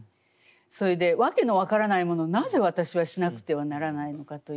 それで訳の分からないものをなぜ私はしなくてはならないのかということですね。